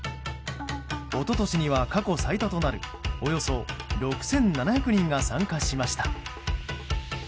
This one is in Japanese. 一昨年には過去最多となるおよそ６７００人が参加しました。